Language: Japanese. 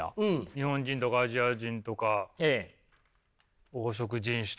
日本人とかアジア人とか黄色人種とかその分けない。